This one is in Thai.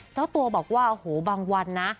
เจ้าตัวบอกว่าโอ้โหบางวันนะ